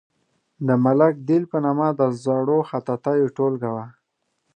د ملک دل په نامه د زړو خطاطیو ټولګه وه.